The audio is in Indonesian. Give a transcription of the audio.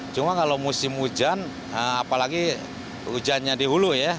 cuma kalau musim hujan apalagi hujannya dihulu ya